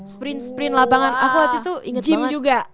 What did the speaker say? sprint sprint labangan aku waktu itu inget banget gym juga